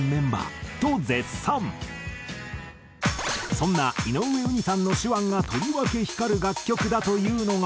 そんな井上雨迩さんの手腕がとりわけ光る楽曲だというのが。